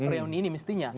reuni ini mestinya